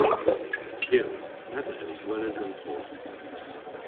Gyll. Ev a yll gweles an porth.